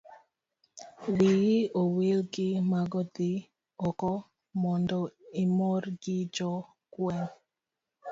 wiyi owil gi mago dhi oko mondo imor gi jo gweng'